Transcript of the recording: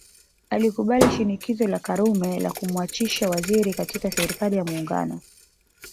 Alikubali shinikizo la Karume la kumwachisha uwaziri katika Serikali ya Muungano